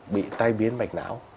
bị tai biến mạch não